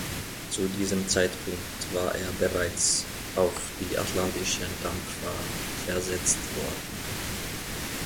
Zu diesem Zeitpunkt war er bereits auf die atlantischen Dampfer versetzt worden.